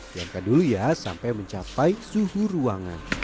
diangkat dulu ya sampai mencapai suhu ruangan